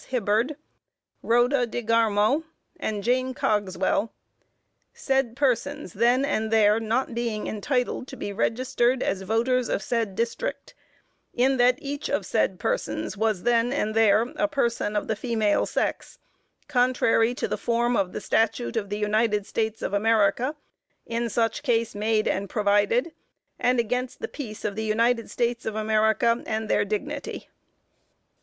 Hibbard, Rhoda DeGarmo, and Jane Cogswell, said persons then and there not being entitled to be Registered as voters of said District, in that each of said persons was then and there a person of the female sex, contrary to the form of the statute of the United States of America in such case made and provided, and against the peace of the United States of America and their dignity.